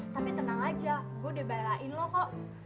tapi tenang aja gue udah barain lo kok